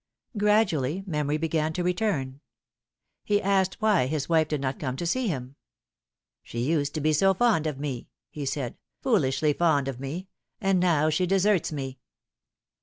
Gradually memory began to return. He asked why his wife did not come to see him. " She used to be so fond of me," he said, " foolishly fond of me ; and now she deserts me."